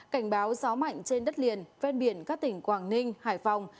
cảnh báo gió mạnh trên đất liền ven biển các tỉnh quảng ninh hải phòng